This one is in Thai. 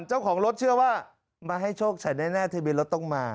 เจ้าของรถเชื่อว่ามาให้โชคฉันแน่ทะเบียนรถต้องมา